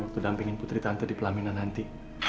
untuk dampingin putri tante di pelaminan nanti